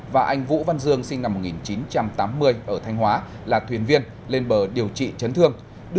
và anh vũ văn dương sinh năm một nghìn chín trăm tám mươi ở thanh hóa là thuyền viên lên bờ điều trị chấn thương